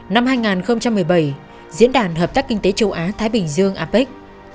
năm hai nghìn một mươi bảy diễn đàn hợp tác kinh tế châu á thái bình dương apec